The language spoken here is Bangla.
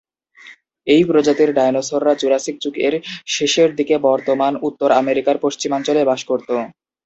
এই প্রজাতির ডাইনোসরেরা জুরাসিক যুগ এর শেষের দিকে বর্তমান উত্তর আমেরিকার পশ্চিমাঞ্চলে বাস করত।